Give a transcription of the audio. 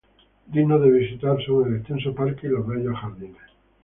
Dignos de visitar son el extenso parque y los bellos jardines.